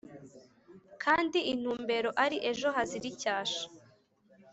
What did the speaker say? Kandi intumbero ari ejo Hazira icyasha